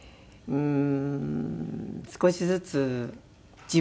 うん。